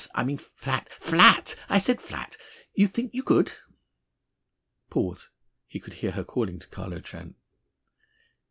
I mean flat. Flat! I said flat. You think you could?" Pause. He could hear her calling to Carlo Trent.